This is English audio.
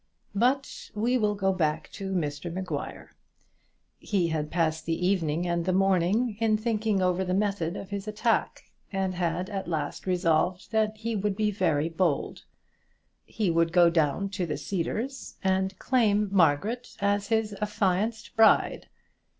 But we will go back to Mr Maguire. He had passed the evening and the morning in thinking over the method of his attack, and had at last resolved that he would be very bold. He would go down to the Cedars, and claim Margaret as his affianced bride.